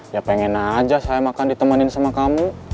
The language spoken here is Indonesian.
ya pengen aja saya makan ditemenin sama kamu